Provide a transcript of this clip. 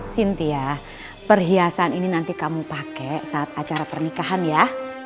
sintia perhiasan ini nanti kamu pakai saat acara pernikahan ya